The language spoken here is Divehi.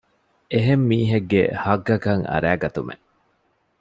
އެހެން މީހެއްގެ ޙައްޤަކަށް އަރައިގަތުމެއް